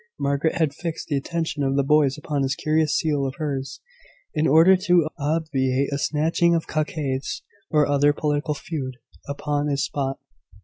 Margaret had fixed the attention of the boys upon this curious seal of hers, in order to obviate a snatching of cockades, or other political feud, upon the spot.